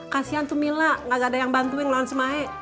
kasian tuh mila gak ada yang bantuin lawan semahe